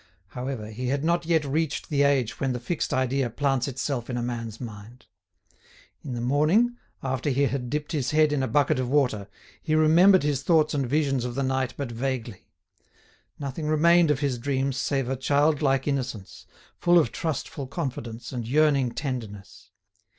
However, he had not yet reached the age when the fixed idea plants itself in a man's mind. In the morning, after he had dipped his head in a bucket of water, he remembered his thoughts and visions of the night but vaguely; nothing remained of his dreams save a childlike innocence, full of trustful confidence and yearning tenderness.